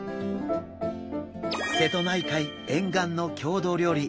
瀬戸内海沿岸の郷土料理